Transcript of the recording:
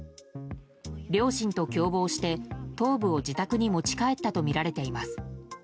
両親と共謀して、頭部を自宅に持ち帰ったとみられています。